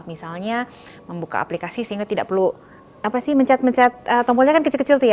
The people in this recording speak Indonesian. misalnya membuka aplikasi sehingga tidak perlu mencet mencet tombolnya kecil kecil